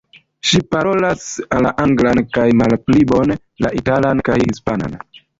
Ŝi parolas la anglan kaj, malpli bone, la italan kaj hispanan.